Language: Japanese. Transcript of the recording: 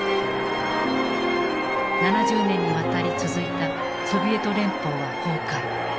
７０年にわたり続いたソビエト連邦崩壊。